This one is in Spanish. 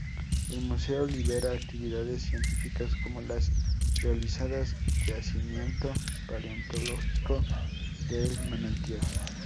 El Museo lidera actividades científicas, como las realizadas yacimiento paleontológico de El Manantial